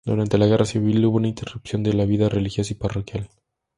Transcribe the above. Durante la Guerra Civil, hubo una interrupción de la vida religiosa y parroquial.